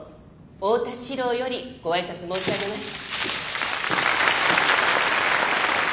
太田司郎よりご挨拶申し上げます。